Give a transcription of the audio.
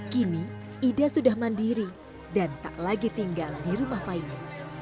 kini ida sudah mandiri dan tak lagi tinggal di rumah paine